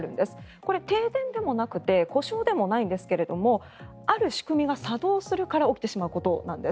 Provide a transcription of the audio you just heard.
これは停電でもなくて故障でもないんですけどある仕組みが作動するから起きてしまうことなんです。